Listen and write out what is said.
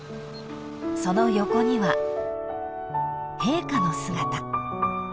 ［その横には陛下の姿］